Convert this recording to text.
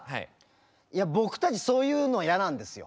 「いや僕たちそういうの嫌なんですよ」。